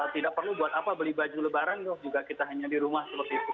tidak perlu buat apa beli baju lebaran loh juga kita hanya di rumah seperti itu